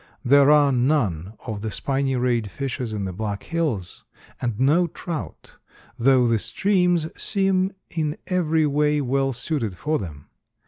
There are none of the spiny rayed fishes in the Black Hills, and no trout, though the streams seem in every way well suited for them.